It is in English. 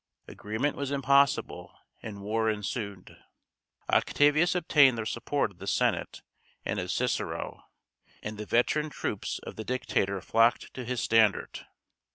Agreement was impossible, and war ensued. Octavius obtained the support of the Senate and of Cicero; and the veteran troops of the dictator flocked to his standard.